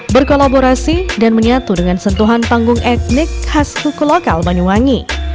berkolaborasi dan menyatu dengan sentuhan panggung etnik khas suku lokal banyuwangi